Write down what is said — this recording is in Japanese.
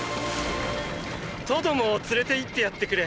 トドも連れて行ってやってくれ。